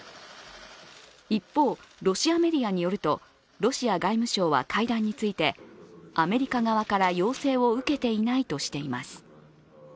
一方、ロシアメディアによるとロシア外務省は階段についてアメリカ側から要請を受けていないとしています。